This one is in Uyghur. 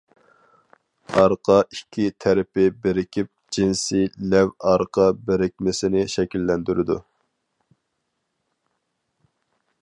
ئارقا ئىككى تەرىپى بىرىكىپ، جىنسىي لەۋ ئارقا بىرىكمىسىنى شەكىللەندۈرىدۇ.